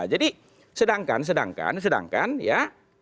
jadi sedangkan sedangkan sedangkan ya